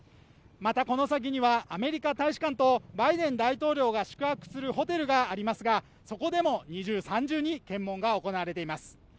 また、この先にはアメリカ大使館とバイデン大統領が宿泊するホテルがありますが、そこでも二重三重に検問が行われています。